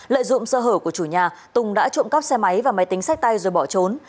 lợi dụng sơ hở của chủ nhà tùng đã trộm cắp xe máy và máy tính sách tay rồi bỏ trốn